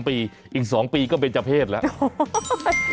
ปีอีก๒ปีก็เป็นเจ้าเพศแล้ว